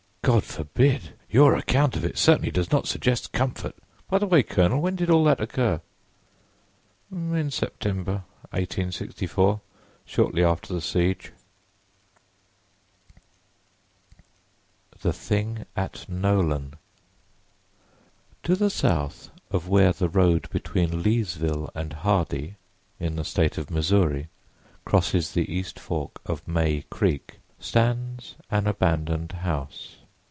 "God forbid! Your account of it certainly does not suggest comfort. By the way, Colonel, when did all that occur?" "In September, 1864—shortly after the siege." THE THING AT NOLAN TO the south of where the road between Leesville and Hardy, in the State of Missouri, crosses the east fork of May Creek stands an abandoned house.